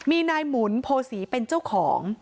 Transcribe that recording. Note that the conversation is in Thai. มีนายหมุนโพศีเป็นเจ้าของ